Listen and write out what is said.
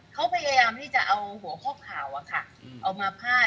เขาพยายามที่จะเอาหัวข้อข่าวเอามาพาด